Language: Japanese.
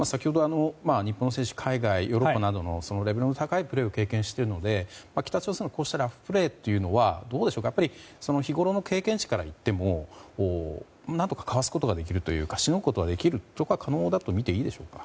日本選手は海外、ヨーロッパなどのレベルの高いプレーを経験しているので北朝鮮のラフプレーはどうでしょう日ごろの経験値からいっても何とかかわすことができるというかしのぐことは可能だとみていいでしょうか。